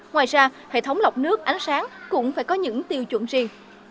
ngoài ra hệ thống lọc nước ánh sáng cũng phải có những tiêu chuẩn riêng